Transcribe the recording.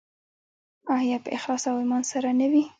آیا په اخلاص او ایمان سره نه وي؟